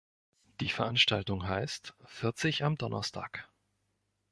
Die Veranstaltung heißt Vierzig am Donnerstag.